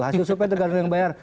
hasil survei tergantung yang bayar